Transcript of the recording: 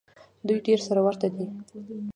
دوی ډېر سره ورته دي.